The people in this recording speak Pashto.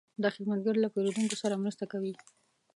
دا خدمتګر له پیرودونکو سره مرسته کوي.